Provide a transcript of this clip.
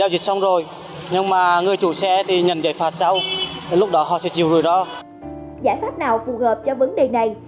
giải pháp nào phù hợp cho vấn đề này